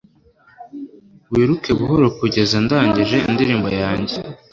wiruke buhoro kugeza ndangije indirimbo yanjye